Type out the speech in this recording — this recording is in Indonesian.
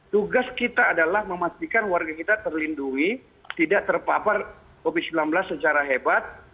tugas kita adalah memastikan warga kita terlindungi tidak terpapar covid sembilan belas secara hebat